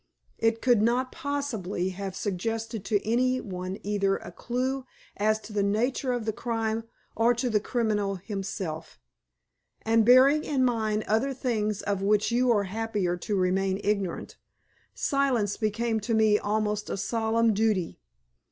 It could not possibly have suggested to any one either a clue as to the nature of the crime or to the criminal himself, and bearing in mind other things of which you are happier to remain ignorant, silence became to me almost a solemn duty.